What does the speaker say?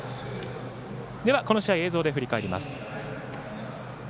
この試合を映像で振り返ります。